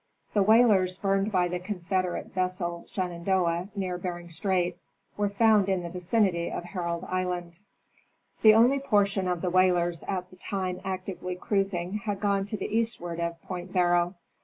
The whalers burned by the Confederate vessel Shenandoah near Bering strait were found in the vicinity of Herald island. The only portion of the whalers at the time actively cruising had gone to the eastward of Point Barrow.